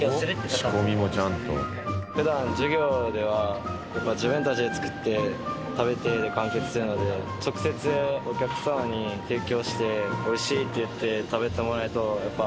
普段授業では自分たちで作って食べて完結するので直接お客様に提供して「美味しい！」って言って食べてもらえるとやっぱ。